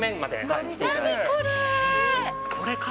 何これ？